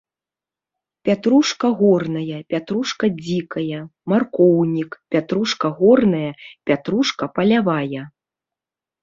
Пятрушка горная, пятрушка дзікая, маркоўнік, пятрушка горная, пятрушка палявая.